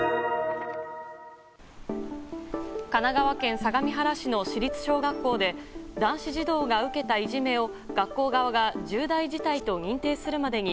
神奈川県相模原市の市立小学校で男子児童が受けたいじめを学校側が重大事態と認定するまでに